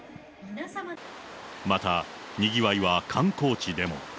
また、にぎわいは観光地でも。